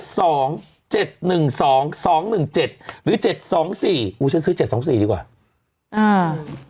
สองหนึ่งเจ็ดหรือเจ็ดสองสี่อู๋ฉันซื้อเจ็ดสองสี่ดีกว่าอ่า